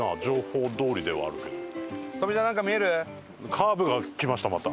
カーブがきましたまた。